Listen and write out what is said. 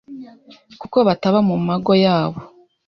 kuko bataba mu mago yabo